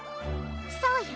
そうよ。